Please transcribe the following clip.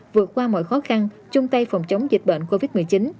vượt qua mọi khó khăn chung tay phòng chống dịch bệnh covid một mươi chín